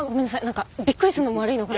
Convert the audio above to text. なんかびっくりするのも悪いのかな。